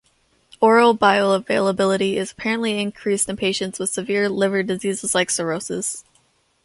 Oral bioavailability is apparently increased in patients with severe liver diseases like Cirrhosis.